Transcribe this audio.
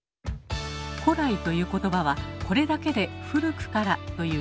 「古来」という言葉はこれだけで「古くから」という意味です。